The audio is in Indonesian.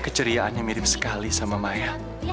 keceriaannya mirip sekali sama maya